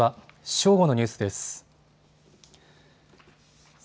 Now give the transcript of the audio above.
正午のニュースです。